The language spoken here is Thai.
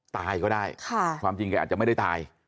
ตายก็ได้ความจริงแกอาจจะไม่ได้ตาย